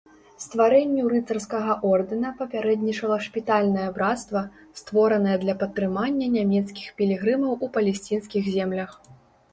Стварэнню рыцарскага ордэна папярэднічала шпітальнае брацтва, створанае для падтрымання нямецкіх пілігрымаў у палесцінскіх землях.